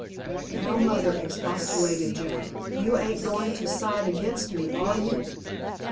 "Now, mother," expostulated Jack, "you ain't going to side against me, are you?"